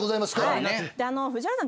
藤原さん。